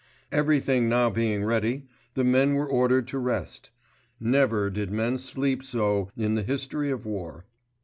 Everything now being ready, the men were ordered to rest. Never did men sleep so in the history of war.